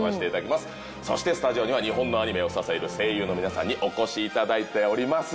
そしてスタジオには日本のアニメを支える声優の皆さんにお越しいただいております。